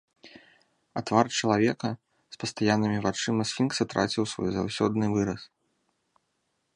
А твар чалавека з пастаяннымі вачыма сфінкса траціў свой заўсёдны выраз.